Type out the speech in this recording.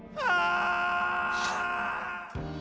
ああ！